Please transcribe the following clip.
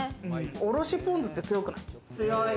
おろしぽん酢って強くない？